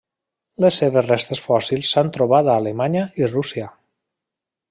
Les seves restes fòssils s'han trobat a Alemanya i Rússia.